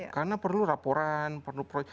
karena perlu raporan perlu proyek